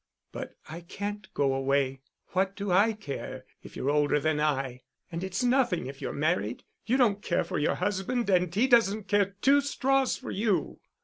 "But I can't go away. What do I care if you're older than I? And it's nothing if you're married: you don't care for your husband and he doesn't care two straws for you."